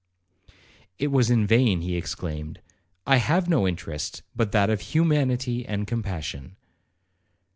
It was in vain he exclaimed, 'I have no interest but that of humanity and compassion.'